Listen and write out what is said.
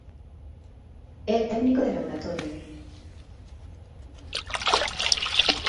É técnico de laboratorio.